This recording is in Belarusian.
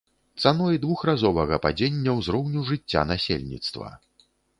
Цаной двухразовага падзення ўзроўню жыцця насельніцтва.